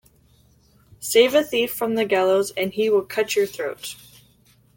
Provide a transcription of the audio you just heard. Save a thief from the gallows and he will cut your throat.